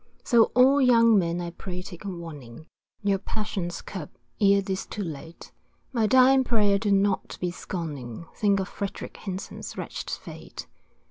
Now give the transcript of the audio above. So all young men I pray take warning, Your passions curb, 'ere 'tis too late, My dying prayer do not be scorning, Think of Frederick Hinson's wretched fate.